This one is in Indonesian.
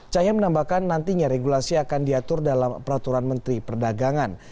cahaya menambahkan nantinya regulasi akan diatur dalam peraturan menteri perdagangan